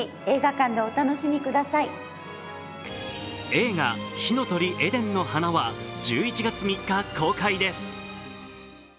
映画「火の鳥エデンの花」は１１月３日、公開です。